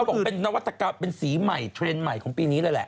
บอกเป็นนวัตกรรมเป็นสีใหม่เทรนด์ใหม่ของปีนี้เลยแหละ